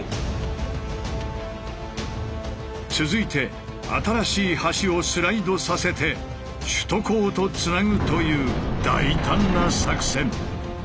続いて新しい橋をスライドさせて首都高とつなぐという大胆な作戦。